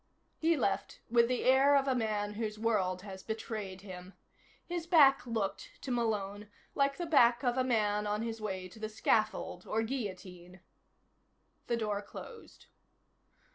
He left, with the air of a man whose world has betrayed him. His back looked, to Malone, like the back of a man on his way to the scaffold or guillotine. The door closed.